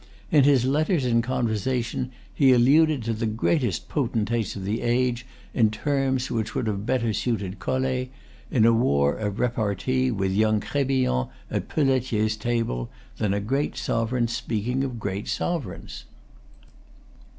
In his letters and conversation he alluded to the greatest potentates of the age in terms which would have better suited Collé, in a war of repartee with young Crébillon at Pelletier's table, than a great sovereign speaking of great sovereigns.